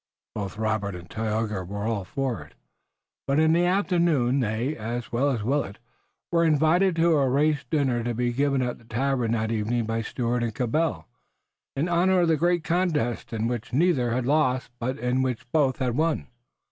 Both Robert and Tayoga were all for it, but in the afternoon they, as well as Willet, were invited to a race dinner to be given at the tavern that evening by Stuart and Cabell in honor of the great contest, in which neither had lost, but in which both had won.